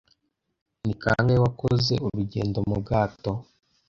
Ni kangahe wakoze urugendo mu bwato?